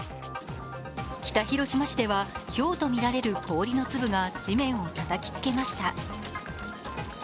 北広島市ではひょうとみられる氷の粒が地面をたたきつけました。